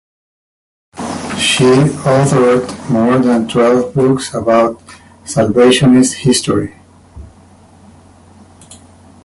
She authored more than twelve books about Salvationist history.